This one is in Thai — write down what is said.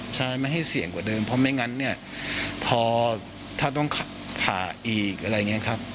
ใช่ไม่ให้เสี่ยงกว่าเดิมเพราะไม่งั้นเนี่ยพอถ้าต้องผ่าอีกอะไรอย่างนี้ครับ